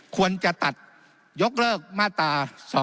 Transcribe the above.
ควรจะตัดยกเลิกมาตรา๒๕๖